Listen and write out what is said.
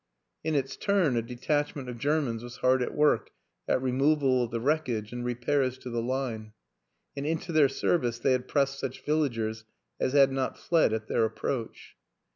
In its turn a detachment of Germans was hard at work at removal of the wreckage and repairs to the line; and into their service they had pressed such villagers as had not fled at their approach.